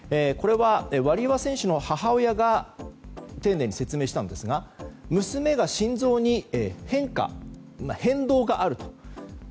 これはワリエワ選手の母親が丁寧に説明したんですが娘が心臓に変化変動があると。